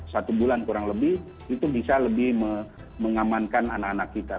satu bulan kurang lebih itu bisa lebih mengamankan anak anak kita